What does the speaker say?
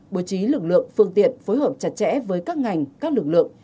bố trí lực lượng phương tiện phối hợp chặt chẽ với các ngành các lực lượng